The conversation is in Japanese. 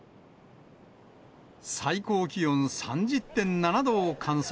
最高気温３０．７度を観測。